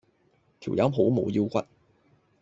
條友好冇腰骨